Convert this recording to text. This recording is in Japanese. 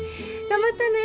頑張ったね。